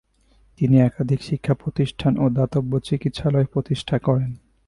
তিনি একাধিক শিক্ষা প্রতিষ্ঠান ও দাতব্য চিকিৎসালয় প্রতিষ্ঠা করেন।